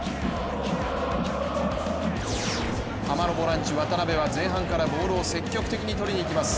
ハマのボランチ・渡辺は前半からボールを積極的に取りにいきます。